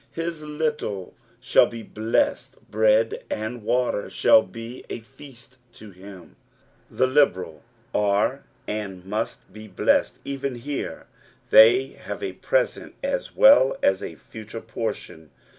His little shall be blessed, bread and water shall be a feast to him. The liberal are and must be blessed even here ; they hare a present as welt as a future portion.